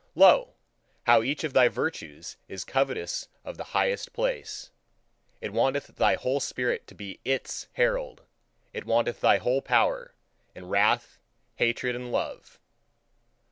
Lo! how each of thy virtues is covetous of the highest place; it wanteth thy whole spirit to be ITS herald, it wanteth thy whole power, in wrath, hatred, and love.